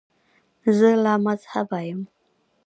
زه لامذهبه یم.